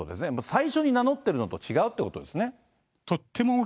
最初に名乗ってるのと違うってことですね。